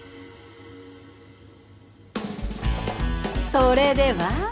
それでは。